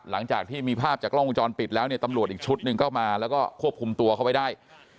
หลังจากที่มีภาพจากกล้องวงจรปิดแล้วเนี่ยตำรวจอีกชุดหนึ่งก็มาแล้วก็ควบคุมตัวเขาไว้ได้